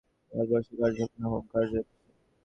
ভারতবর্ষে কার্য হোক না হোক, কার্য এদেশে।